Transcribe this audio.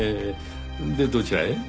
でどちらへ？